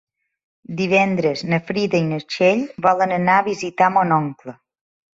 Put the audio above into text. Divendres na Frida i na Txell volen anar a visitar mon oncle.